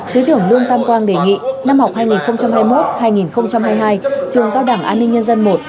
thứ trưởng lương tam quang đề nghị năm học hai nghìn hai mươi một hai nghìn hai mươi hai